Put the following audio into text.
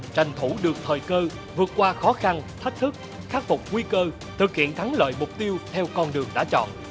tranh thủ được thời cơ vượt qua khó khăn thách thức khắc phục nguy cơ thực hiện thắng lợi mục tiêu theo con đường đã chọn